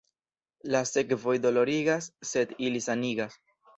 La sekvoj dolorigas, sed ili sanigas.